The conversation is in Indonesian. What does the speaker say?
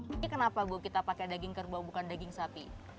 ini kenapa kita pakai daging gerbau bukan daging sapi